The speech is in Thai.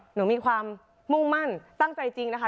หนูมีความมุ่งมั่นตั้งใจจริงนะคะ